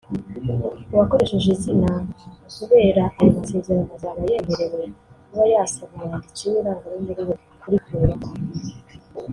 uwakoresheje izina kubera ayo masezerano azaba yemerewe kuba yasaba umwanditsi w’irangamimerere kurikuraho